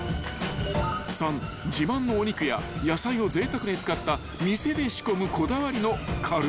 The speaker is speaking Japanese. ［３自慢のお肉や野菜をぜいたくに使った店で仕込むこだわりのカルビスープ］